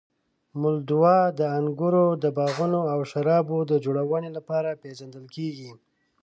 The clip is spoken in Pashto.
مولدوا د انګورو باغونو او شرابو جوړونې لپاره پېژندل کیږي.